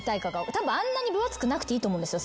たぶんあんなに分厚くなくていいと思うんですよ